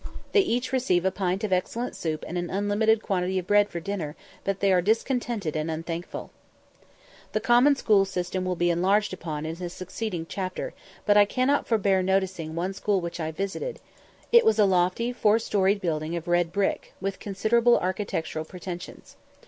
They each receive a pint of excellent soup and an unlimited quantity of bread for dinner; but they are discontented and unthankful. The common school system will be enlarged upon in a succeeding chapter; but I cannot forbear noticing one school which I visited, It was a lofty, four storied building of red brick, with considerable architectural pretensions.